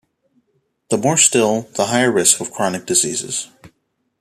The more still, the higher risk of chronic diseases.